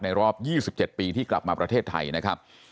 รอบ๒๗ปีที่กลับมาประเทศไทยนะครับ